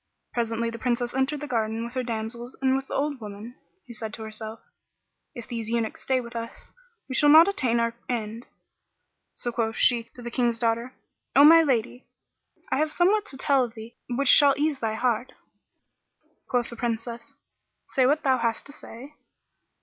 Presently the Princess entered the garden with her damsels and with the old woman, who said to herself, "If these eunuchs stay with us, we shall not attain our end." So quoth she to the King's daughter, "O my lady, I have somewhat to tell thee which shall ease thy heart." Quoth the Princess, "Say what thou hast to say."